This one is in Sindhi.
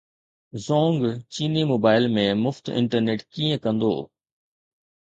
زونگ چيني موبائيل ۾ مفت انٽرنيٽ ڪيئن ڪندو